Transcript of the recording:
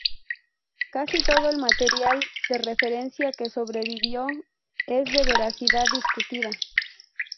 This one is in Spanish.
Casi todo el material de referencia que sobrevivió es de veracidad discutida.